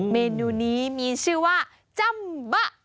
เมนูนี้มีชื่อว่าจ้ำบะ